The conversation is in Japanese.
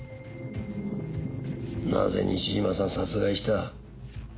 なぜ西島さん殺害した？